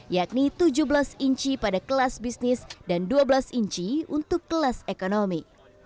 yakni tujuh belas inci pada kelas bisnis dan dua belas inci untuk kelas ekonomi